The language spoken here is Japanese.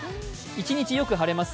一日よく晴れます。